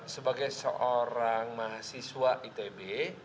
sebagai seorang mahasiswa itb